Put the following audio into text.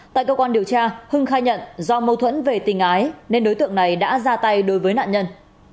tại cơ quan điều tra hưng khai nhận do mâu thuẫn về tình ái nên đối tượng này đã ra tay đối với nạn nhân